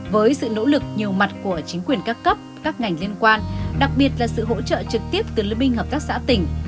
với sự nỗ lực nhiều mặt của chính quyền các cấp các ngành liên quan đặc biệt là sự hỗ trợ trực tiếp từ liên minh hợp tác xã tỉnh